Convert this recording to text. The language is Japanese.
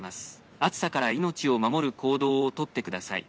暑さから命を守る行動を取ってください。